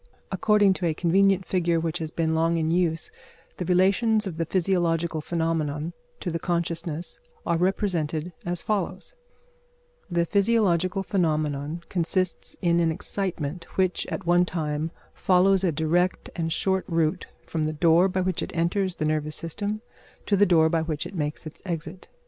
According to a convenient figure which has been long in use, the relations of the physiological phenomenon to the consciousness are represented as follows: the physiological phenomenon consists in an excitement which, at one time, follows a direct and short route from the door by which it enters the nervous system to the door by which it makes its exit.